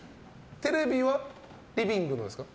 テレビはリビングのですか？